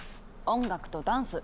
音楽とダンス。